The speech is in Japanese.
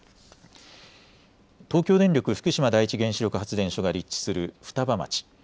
東京電力福島第一原子力発電所が立地する双葉町。